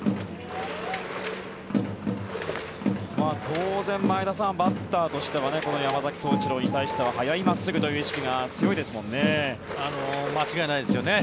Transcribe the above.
当然、前田さんバッターとしてはこの山崎颯一郎に対しては速い真っすぐという意識が間違いないですよね。